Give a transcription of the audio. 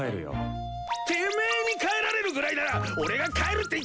てめえに帰られるぐらいなら俺が帰るって言ってんだ！